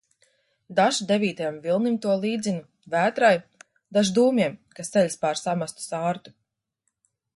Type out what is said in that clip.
Dažs devītajam vilnim to līdzina, vētrai, dažs dūmiem, kas ceļas pār samestu sārtu.